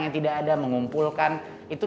yang tidak ada mengumpulkan itu